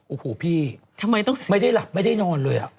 โอ้โหพี่ไม่ได้หลับไม่ได้นอนเลย